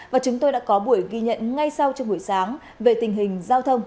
và chúng tôi đã có buổi ghi nhận ngay sau trong buổi sáng về tình hình giao thông